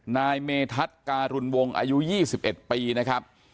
นายเมธัศนการุณวงศ์อายุ๒๑ปีนะครับ